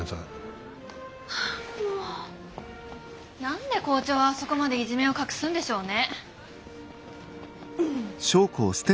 何で校長はあそこまでいじめを隠すんでしょうね。